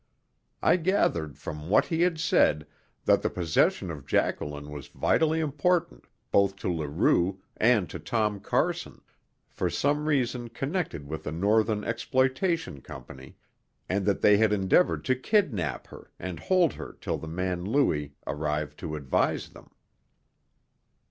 I gathered from what he had said that the possession of Jacqueline was vitally important both to Leroux and to Tom Carson, for some reason connected with the Northern Exploitation Company, and that they had endeavoured to kidnap her and hold her till the man Louis arrived to advise them.